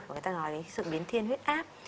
người ta nói đến sự biến thiên huyết áp